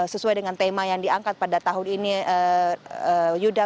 sesuai dengan tema yang diangkat pada tahun ini yuda